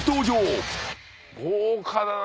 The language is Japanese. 豪華だな。